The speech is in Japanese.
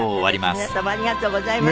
皆様ありがとうございました。